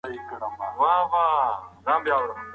ټولنیز بدلونونه د وخت په تېرېدو سره مطالعه کیږي.